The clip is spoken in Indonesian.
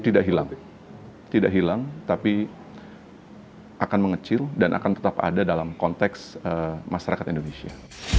tidak hilang tidak hilang tapi akan mengecil dan akan tetap ada dalam konteks masyarakat indonesia